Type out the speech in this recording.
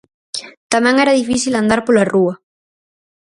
Tamén era difícil andar pola rúa.